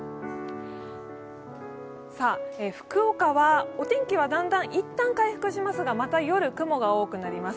福岡はお天気はだんだんいったん回復しますがまた夜、雲が多くなります。